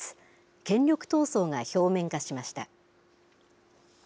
権力闘争が表面化しました。